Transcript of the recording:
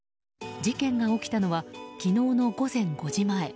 事件が起きたのは昨日の午前５時前。